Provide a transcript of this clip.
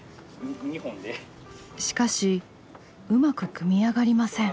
しかしうまく組み上がりません。